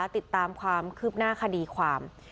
ติดตามความคืบหน้าคดีความ